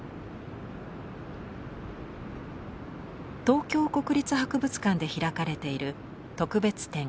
東京国立博物館で開かれている特別展